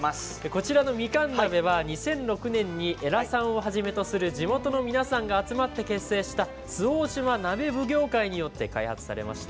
こちらのみかん鍋は２００６年に江良さんをはじめとする地元の皆さんが集まって結成した周防大島鍋奉行会によって開発されました。